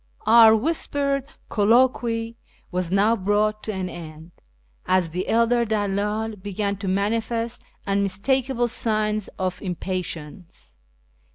Our whispered colloquy was now brought to an end, as the elder dalldl began to manifest unmistakable signs of impatience.